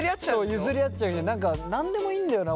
譲り合っちゃうし何でもいいんだよな